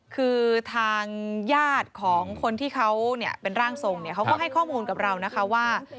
คือทางญาติของคนที่เขาเป็นร่างทรงเขาก็ให้ข้อมูลกับเรานะคะว่า